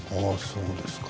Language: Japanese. そうですか。